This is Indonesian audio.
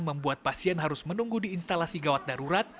membuat pasien harus menunggu di instalasi gawat darurat